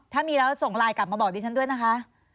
ถ้ามีแล้วส่งไลน์กลับมาบอกดิฉันด้วยนะคะ